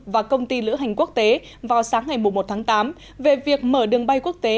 và công ty lữ hành quốc tế vào sáng ngày một tháng tám về việc mở đường bay quốc tế